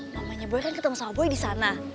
mamanya boy kan ketemu sawboy disana